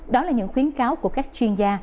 đó là những khuyến cáo của các chuyên gia